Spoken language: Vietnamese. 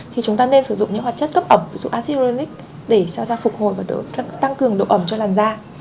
thì chúng ta nên sử dụng những hoạt chất cấp ẩm ví dụ acid hyaluronic để cho da phục hồi và tăng cường độ ẩm cho làn da